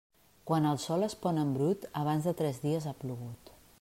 Quan el sol es pon en brut, abans de tres dies ha plogut.